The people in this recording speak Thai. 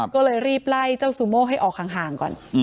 ก็เลยรีบไล่เจ้าซูโม่ให้ออกห่างก่อน